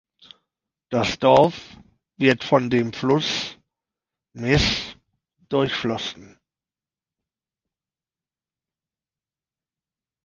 Das Dorf wird von dem Fluss Mess durchflossen.